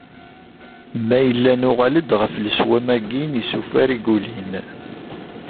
Ma yella nuɣal-d ɣef leswam-agi n yisufar i yulin.